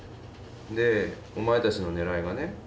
でお前たちのねらいはね